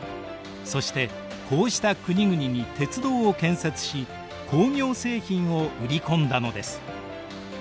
そしてこうした国々に鉄道を建設し工業製品を売り込んだのです。